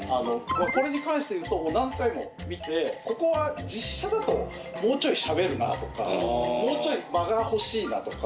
これに関して言うと何回も見てここは実写だともうちょい喋るなとかもうちょい間が欲しいなとか。